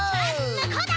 むこうだ！